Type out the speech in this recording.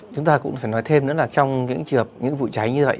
chúng ta cũng phải nói thêm nữa là trong những trường hợp những vụ cháy như vậy